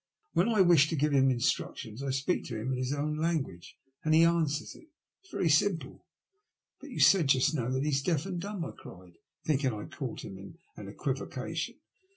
When I wish to give him instructions I speak to him in his own language, and he answers it. It is very simple." But you said just now that he is deaf and dumb," I cried, blinking I had caught him in an equivocation.